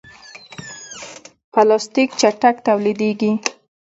پلاستيک چټک تولیدېږي.